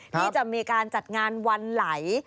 ที่จะมีการจัดงานวันไหล